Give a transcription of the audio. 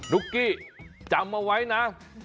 ุ๊กกี้จำเอาไว้นะ